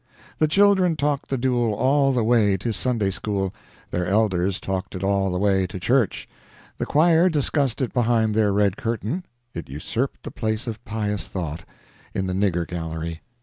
The children talked the duel all the way to Sunday school, their elders talked it all the way to church, the choir discussed it behind their red curtain, it usurped the place of pious thought in the "nigger gallery."